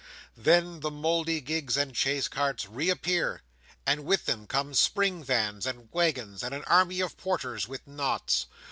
Then the mouldy gigs and chaise carts reappear; and with them come spring vans and waggons, and an army of porters with knots.